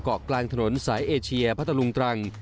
เกาะกลางถนนสายเอเชียพัทธลุงตรัง